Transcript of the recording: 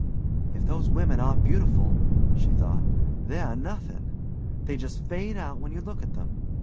"If those women aren't beautiful," she thought, "they're nothing. They just fade out when you look at them.